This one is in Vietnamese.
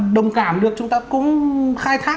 đồng cảm được chúng ta cũng khai thác